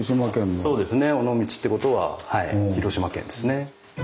そうですね尾道ってことは広島県ですね。